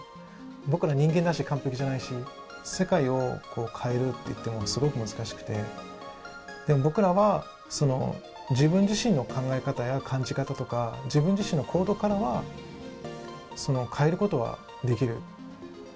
僕ら人間だし、完璧じゃないし、世界を変えるっていっても、すごく難しくて、でも僕らは自分自身の考え方や感じ方とか、自分自身の行動からは変えることはできる。